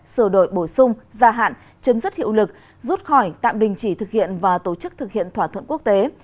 sửa đổi bổ sung gia hạn chấm dứt hiệu lực rút khỏi tạm đình chỉ thực hiện và tổ chức thực hiện thỏa thuận quốc tế